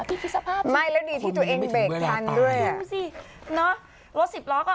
พี่คิดสภาพสิคนมันไม่ถึงเวลาตาย